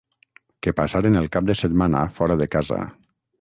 que passaren el cap de setmana fora de casa.